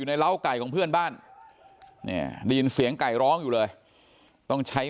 อยู่ในราวไก่ของเพื่อนบ้านนี่ยินเสียงไก่ร้องอยู่เลยต้องใช้